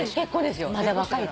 まだ若い。